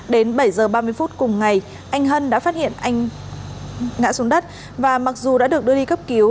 đến bảy h ba mươi phút cùng ngày anh hân đã phát hiện anh ngã xuống đất và mặc dù đã được đưa đi cấp cứu